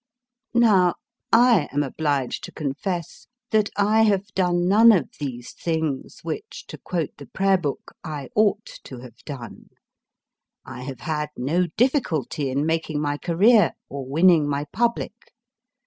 Now, I am obliged to confess that I have done none of these things, which, to quote the Prayer book, I ought to have done. I have had no difficulty in making my career or winning my public.